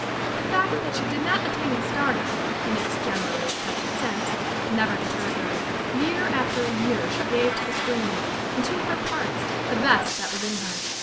The fact that she did not attain star dom, in its generally accepted sense, never de terred her. Year after year she gave to the screen and to her parts the best that was in her.